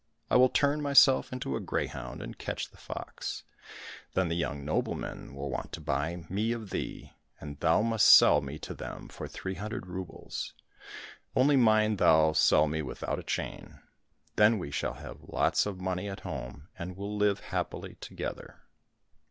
I will turn myself into a greyhound and catch the fox, then the young noblemen will want to buy me of thee, and thou must sell me to them for three hundred roubles — only, mind thou sell me without a chain ; then we shall have lots of money at home, and will live happily together